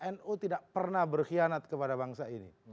nu tidak pernah berkhianat kepada bangsa ini